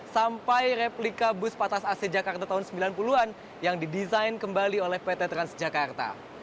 sampai replika bus patas ac jakarta tahun sembilan puluh an yang didesain kembali oleh pt transjakarta